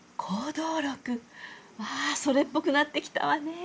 わあそれっぽくなってきたわね。